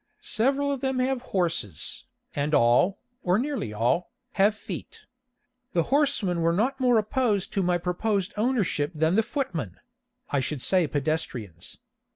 Several of them have horses, and all, or nearly all, have feet. The horsemen were not more opposed to my proposed ownership than the footmen I should say pedestrians.